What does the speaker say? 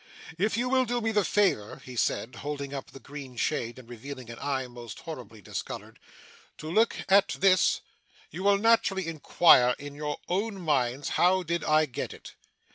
'If you will do me the favour,' he said, holding up the green shade, and revealing an eye most horribly discoloured, 'to look at this, you will naturally inquire, in your own minds, how did I get it.